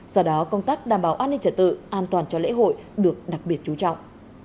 do đó công tác đảm bảo an ninh trả tự an toàn cho lễ hội được đặc biệt chú trọng